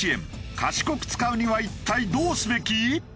賢く使うには一体どうすべき？